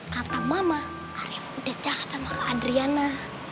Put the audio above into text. kata mama karyawan udah jahat sama kak adriana